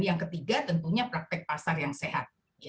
yang ketiga tentunya praktek pasar yang sehat